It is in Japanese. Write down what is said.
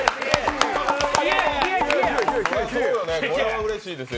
これはうれしいですね。